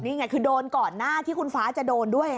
นี่ไงคือโดนก่อนหน้าที่คุณฟ้าจะโดนด้วย